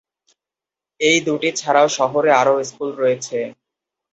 এই দুটি ছাড়াও শহরে আরও স্কুল রয়েছে।